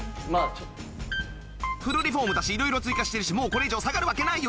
フルリフォームだし色々追加してるしもうこれ以上下がるわけないよ。